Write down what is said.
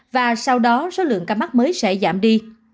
và sau đó số lượng ca mắc mới sẽ giảm đi